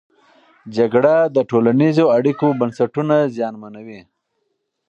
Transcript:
جګړه د ټولنیزو اړیکو بنسټونه زیانمنوي.